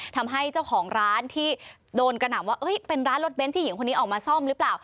ทำให้เจ้าของร้านที่โดนกระหน่ำว่าเป็นร้านรถเน้นที่หญิงคนนี้ออกมาซ่อมหรือเปล่า